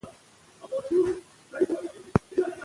موږ د خپلو ادیبانو په خدمت کې یو.